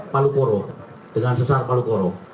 palu koro dengan sesar palu koro